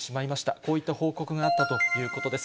こういった報告があったということです。